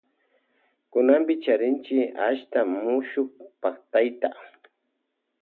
Kunanpi charinchi achka mushukpaktayta.